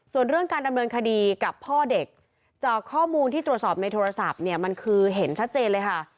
ส่วนเรื่องการดำเนินคดีกับพ่อเด็กจากข้อมูลที่ตรวจสอบในโทรศัพท์เนี่ยมันคือเห็นชัดเจนเลยค่ะ